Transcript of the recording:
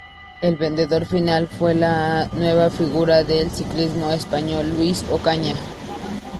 El vencedor final fue la nueva figura del ciclismo español Luis Ocaña.